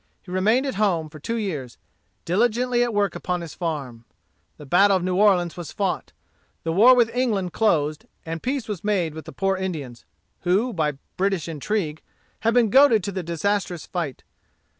He remained at home for two years, diligently at work upon his farm. The battle of New Orleans was fought. The war with England closed, and peace was made with the poor Indians, who, by British intrigue, had been goaded to the disastrous fight.